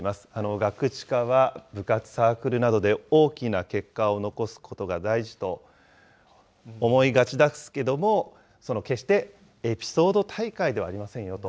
ガクチカは、部活、サークルなどで大きな結果を残すことが大事と思いがちですけども、決してエピソード大会ではありませんよと。